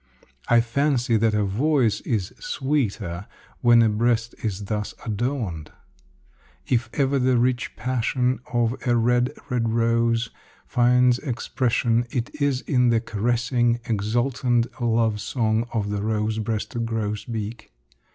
I fancy that a voice is sweeter when a breast is thus adorned. If ever the rich passion of a red, red rose finds expression, it is in the caressing, exultant love song of the rose breasted grosbeak.